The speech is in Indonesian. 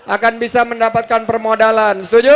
akan bisa mendapatkan permodalan setuju